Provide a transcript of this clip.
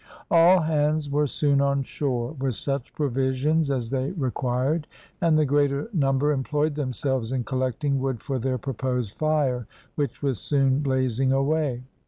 All hands were soon on shore, with such provisions as they required, and the greater number employed themselves in collecting wood for their proposed fire, which was soon blazing away.